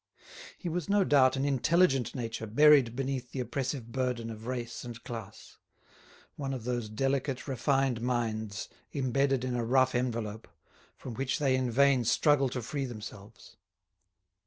He was, no doubt, an intelligent nature buried beneath the oppressive burden of race and class; one of those delicate refined minds embedded in a rough envelope, from which they in vain struggle to free themselves.